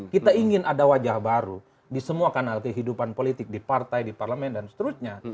kita ingin ada wajah baru di semua kanal kehidupan politik di partai di parlemen dan seterusnya